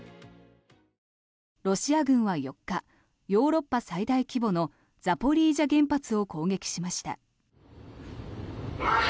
ロシア軍は４日ヨーロッパ最大規模のザポリージャ原発を攻撃しました。